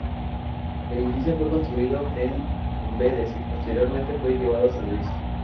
El edificio fue construido en Amberes y posteriormente fue llevado a San Luis.